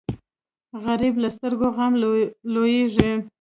غریب له سترګو غم لوېږي